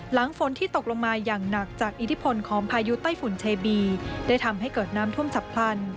หลังฝนที่ตกลงมาอย่างหนักจากอิทธิพลของพายุไต้ฝุ่นเชบีได้ทำให้เกิดน้ำท่วมฉับพลัน